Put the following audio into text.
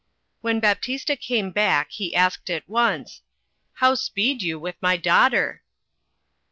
When Baptista came back, he asked at once — "How speed you with my daughter?"